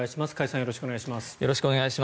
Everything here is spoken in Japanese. よろしくお願いします。